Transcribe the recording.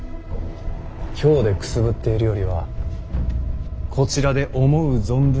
京でくすぶっているよりはこちらで思う存分